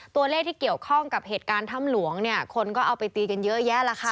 ตัวเลขที่เกี่ยวข้องกับเหตุการณ์ถ้ำหลวงเนี่ยคนก็เอาไปตีกันเยอะแยะล่ะค่ะ